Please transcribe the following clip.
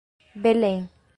Belém